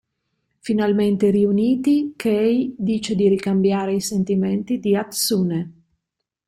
Finalmente riuniti Kei dice di ricambiare i sentimenti di Hatsune.